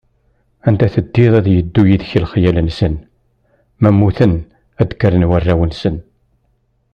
Anda teddiḍ ad yeddu yid-k lexyal-nsen, ma mmuten ad d-kkren warraw-nsen.